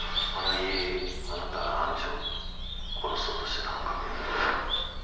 あの日、あなたが愛珠を殺そうとしていたのか。